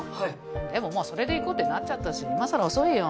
でももうそれでいこうってなっちゃったしいまさら遅いよ